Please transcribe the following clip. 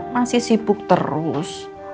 masih sibuk terus